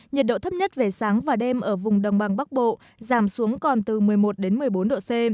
nhiệt độ thấp nhất về sáng và đêm ở vùng đồng bằng bắc bộ giảm xuống còn từ một mươi một đến một mươi bốn độ c